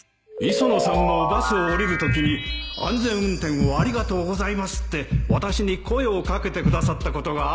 磯野さんもバスを降りるときに「安全運転をありがとうございます」って私に声を掛けてくださったことがあるんですよ